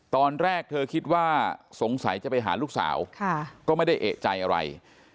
ตอนแรกเธอคิดว่าสงสัยจะไปหาลูกสาวก็ไม่ได้เอกใจอะไร